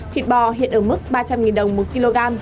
thịt bò hiện ở mức ba trăm linh đồng một kg